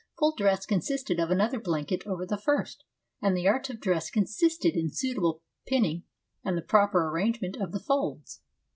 Full dress con sisted of another blanket over the first, and the art of dress consisted in suitable pinning and the proper arrangement of the folds.